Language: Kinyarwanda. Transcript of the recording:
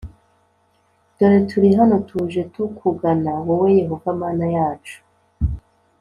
Dore turi hano Tuje tukugana wowe Yehova mana yacu